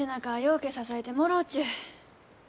うけ支えてもろうちゅう。